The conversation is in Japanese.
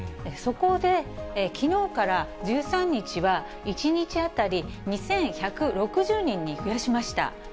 そこで、きのうから１３日は、１日当たり２１６０人に増やしました。